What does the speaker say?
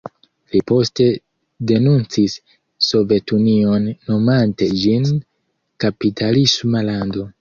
Li poste denuncis Sovetunion nomante ĝin kapitalisma lando.